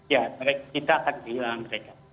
ya kita akan kehilangan mereka